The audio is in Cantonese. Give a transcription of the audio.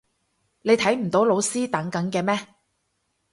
你睇唔到老師等緊嘅咩？